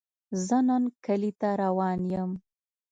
زۀ نن کلي ته روان يم